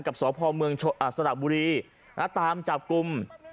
สพเมืองสระบุรีตามจับกลุ่ม